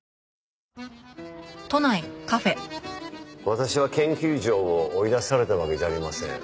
私は研究所を追い出されたわけじゃありません。